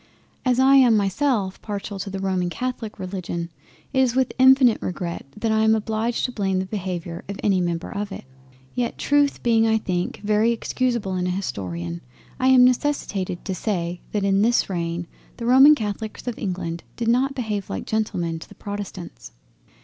As I am myself partial to the roman catholic religion, it is with infinite regret that I am obliged to blame the Behaviour of any Member of it: yet Truth being I think very excusable in an Historian, I am necessitated to say that in this reign the roman Catholics of England did not behave like Gentlemen to the protestants.